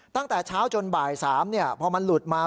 ตั้งแต่เช้าจนบ่าย๓พอมันหลุดมา